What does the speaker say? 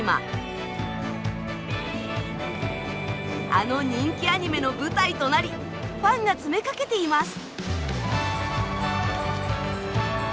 あの人気アニメの舞台となりファンが詰めかけています。